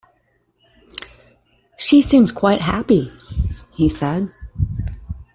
"She seems quite happy," he said.